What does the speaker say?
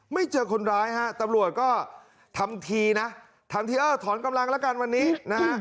ไม่เจอคนร้ายฮะตำรวจก็ทำทีนะทำทีเออถอนกำลังแล้วกันวันนี้นะฮะ